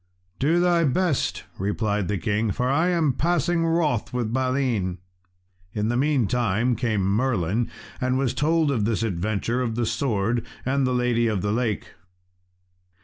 "Do thy best," replied the king, "for I am passing wroth with Balin." In the meantime came Merlin, and was told of this adventure of the sword and lady of the lake.